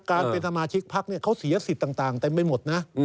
การเป็นสมาชิกพักเขาเสียสิทธิ์ต่างเต็มไปหมดนะ